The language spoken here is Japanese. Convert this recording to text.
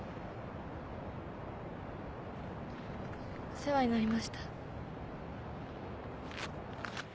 お世話になりました。